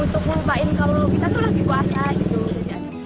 untuk melupain kalau kita tuh lagi puasa gitu